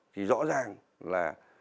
thì rõ ràng là